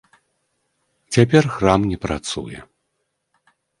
Цяпер храм не працуе.